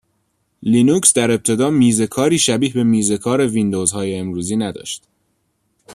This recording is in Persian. لینوکس در ابتدا میزکاری شبیه به میز کار ویندوزهای امروزی نداشت.